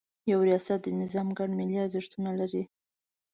یو ریاست د نظام ګډ ملي ارزښتونه لري.